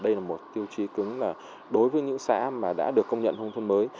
đây là một tiêu chí cứng đối với những xã mà đã được công nhận thông thôn mới